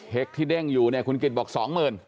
ที่เด้งอยู่เนี่ยคุณกิจบอกสองหมื่น